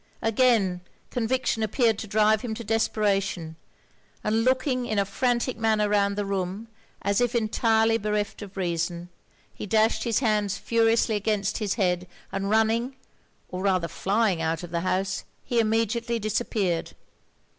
Again conviction appeared to drive him to desperation; and looking in a frantic manner round the room, as if entirely bereft of reason, he dashed his hands furiously against his head, and running, or rather flying out of the house, he immediately disappeared.